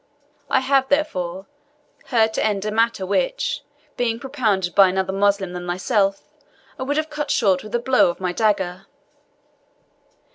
I have, therefore, heard to an end a matter which, being propounded by another Moslem than thyself, I would have cut short with a blow of my dagger!